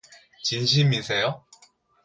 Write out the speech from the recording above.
진심이세요?